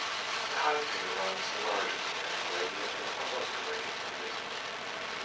The highway runs largely at-grade or above-grade for this length.